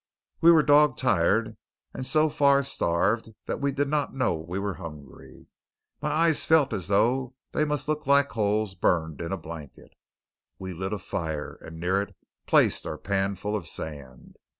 We were dog tired, and so far starved that we did not know we were hungry. My eyes felt as though they must look like holes burned in a blanket. We lit a fire, and near it placed our panful of sand.